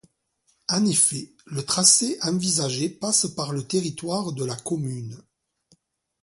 En effet, le tracé envisagé passe par le territoire de la commune.